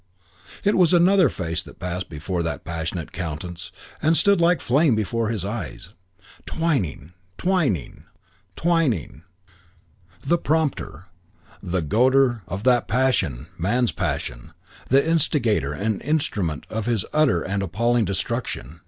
It was another face that passed before that passionate countenance and stood like flame before his eyes. Twyning! Twyning, Twyning, Twyning! The prompter, the goader of that passionate man's passion, the instigater and instrument of this his utter and appalling destruction.